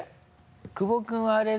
久保君はあれだ。